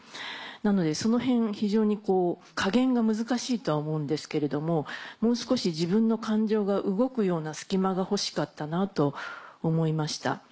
なのでその辺非常に加減が難しいとは思うんですけれどももう少し自分の感情が動くような隙間が欲しかったなと思いました。